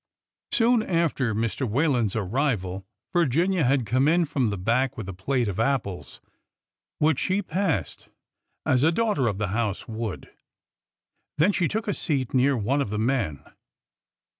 Soon after Mr. Whalen's arrival, Virginia had come in from the back with a plate of apples, which she passed, as a daughter of the house would. Then she took a seat near one of the men.